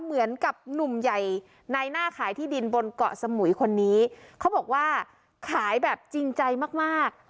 เหมือนกับหนุ่มใหญ่ในหน้าขายที่ดินบนเกาะสมุยคนนี้เขาบอกว่าขายแบบจริงใจมากมาก